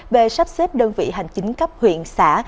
về sắp xếp đơn vị hành chính cấp huyện xã